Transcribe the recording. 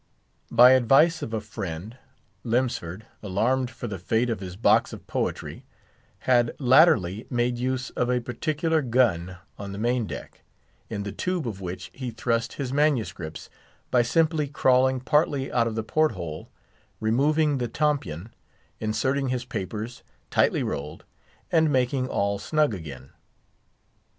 By advice of a friend, Lemsford, alarmed for the fate of his box of poetry, had latterly made use of a particular gun on the main deck, in the tube of which he thrust his manuscripts, by simply crawling partly out of the porthole, removing the tompion, inserting his papers, tightly rolled, and making all snug again.